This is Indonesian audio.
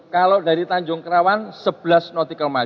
kalau dari tanjung kerawan sebelas nautical mile